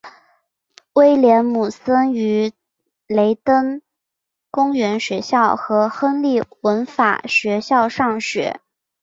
威廉姆森于雷登公园学校和亨利文法学校上学。